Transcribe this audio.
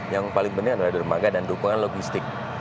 yang paling penting adalah dermaga dan dukungan logistik